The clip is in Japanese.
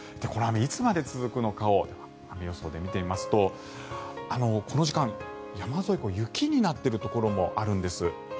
この雨、いつまで続くのかを雨予想で見てみますとこの時間は山沿い、雪になっているところもあるんです。